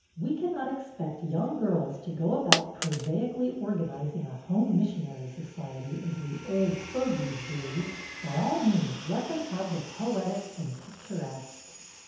"We cannot expect young girls to go about prosaically organiz ing a Home Missionary Society as we old fogies do. By all means let them have the poetic and picturesque."